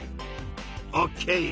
オッケー！